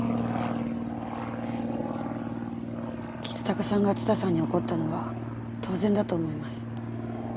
橘高さんが蔦さんに怒ったのは当然だと思います。